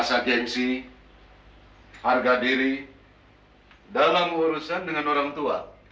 sebagai anak yang dihormati